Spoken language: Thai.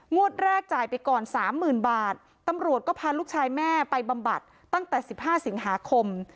แรกจ่ายไปก่อนสามหมื่นบาทตำรวจก็พาลูกชายแม่ไปบำบัดตั้งแต่๑๕สิงหาคม